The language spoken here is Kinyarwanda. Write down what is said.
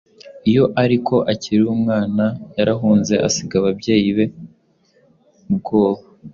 Iyo ariko akiri umwana Yarahunze Asiga ababyeyi be ubwoba.